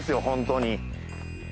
本当に。